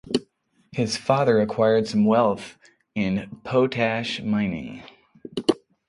His father acquired some wealth in potash mining.